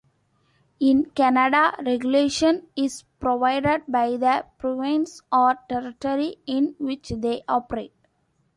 In Canada, regulation is provided by the province or territory in which they operate.